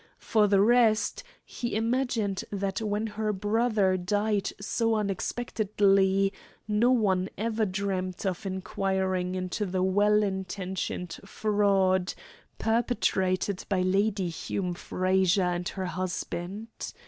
For the rest, he imagined that when her brother died so unexpectedly, no one ever dreamed of inquiring into the well intentioned fraud perpetrated by Lady Hume Frazer and her husband.